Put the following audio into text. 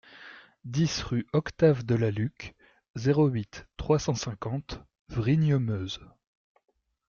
dix rue Octave Delalucque, zéro huit, trois cent cinquante, Vrigne-Meuse